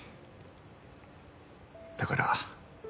だから。